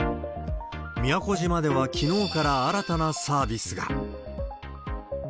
宮古島では、きのうから新たなサービスが。